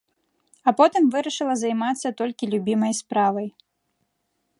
А потым вырашыла займацца толькі любімай справай.